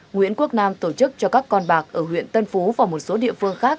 nguyễn quốc nam tổ chức cho các con bạc ở huyện tân phú và một số địa phương khác